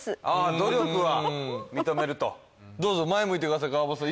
努力は認めるとどうぞ前向いてください川畑さん